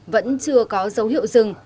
vẫn chưa có dấu hiệu dừng